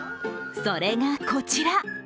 それがこちら。